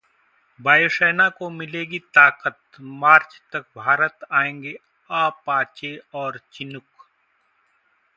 वायुसेना को मिलेगी ताकत, मार्च तक भारत आएंगे अपाचे और चिनूक